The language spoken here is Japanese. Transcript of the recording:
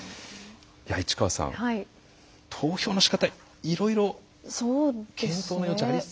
市川さん投票のしかたいろいろ検討の余地ありそうな気がしますよね。